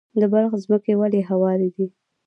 د بلخ ځمکې ولې هوارې دي؟